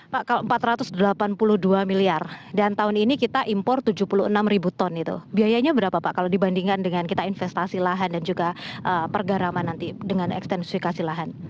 pak kalau empat ratus delapan puluh dua miliar dan tahun ini kita impor tujuh puluh enam ribu ton itu biayanya berapa pak kalau dibandingkan dengan kita investasi lahan dan juga pergaraman nanti dengan ekstensifikasi lahan